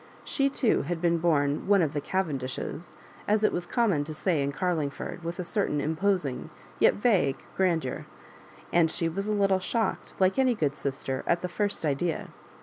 She too had been bom "one of the Cavendishes," as it was com * mon to say in Carlingford, with a certain impos ing yet vague grandeur, and she was a little shocked, like any good sister, at the first idea.